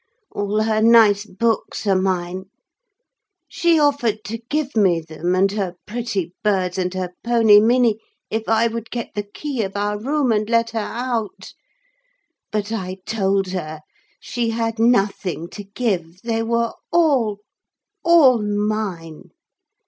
All her nice books are mine; she offered to give me them, and her pretty birds, and her pony Minny, if I would get the key of our room, and let her out; but I told her she had nothing to give, they were all, all mine.